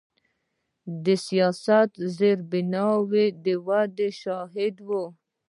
د سیاحت د زیربناوو د ودې شاهد و.